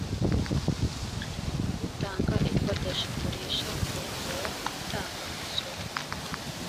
utanga ikodeshagurisha yemerewe gutanga umusoro